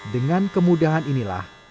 dengan kemudahan inilah